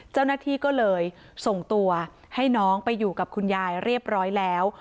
เจ้าหน้าที่ก็เลยส่งตัวให้น้องไปอยู่กับคุณยายเรียบร้อยแล้ว